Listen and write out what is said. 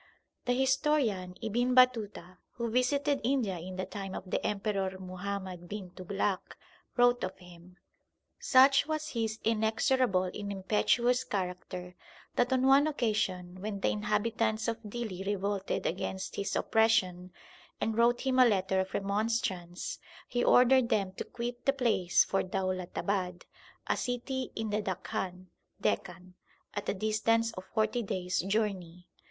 The historian, Ibn Batuta, who visited India in the time of the Emperor Muhammad Bin Tughlak, wrote of him : Such was his inexorable and impetuous character that on one occasion when the inhabitants of Dihli revolted against his oppression and wrote him a letter of remon strance, he ordered them to quit the place for Daulatabad, a city in the Dakhan (Deccan), at a distance of forty days journey.